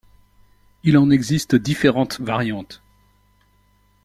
Il en existe différentes variantes.